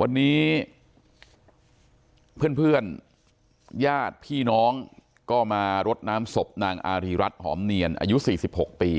วันนี้เพื่อนญาติพี่น้องก็มารดน้ำศพนางอารีรัฐหอมเนียนอายุ๔๖ปี